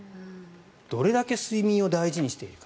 どれだけ睡眠を大事にしているか。